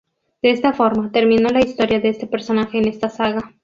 De esta forma, terminó la historia de este personaje en esta saga.